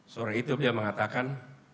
sore itu dia mengatakan